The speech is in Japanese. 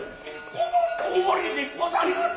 この通りでござります。